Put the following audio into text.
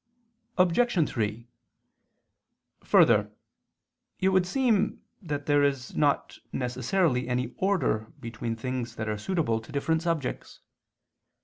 Obj. 3: Further, it would seem that there is not necessarily any order between things that are suitable to different subjects.